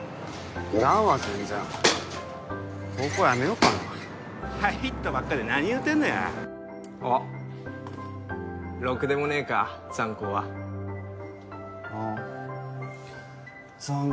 いらんわ全然高校辞めよっかな入ったばっかで何言うてんのやおっろくでもねえかザン高はああザン